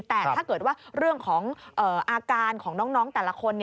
แต่ถ้าเกิดว่าเรื่องของอาการของน้องแต่ละคน